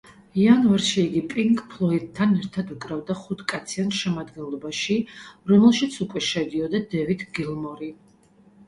იანვარში იგი პინკ ფლოიდთან ერთად უკრავდა, ხუთკაციან შემადგენლობაში, რომელშიც უკვე შედიოდა დევიდ გილმორი.